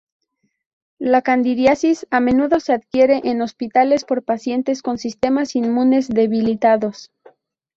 La candidiasis a menudo se adquiere en hospitales por pacientes con sistemas inmunes debilitados.